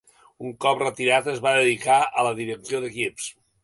Un cop retirat es va dedicar a la direcció d'equips.